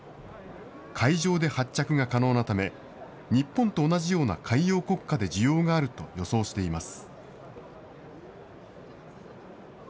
海上で発着が可能なため、日本と同じような海洋国家で需要があると予想しています。